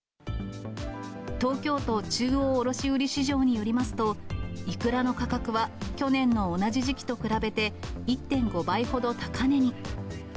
東京都中央卸売市場によりますと、イクラの価格は、去年の同じ時期と比べて、１．５倍ほど高値に。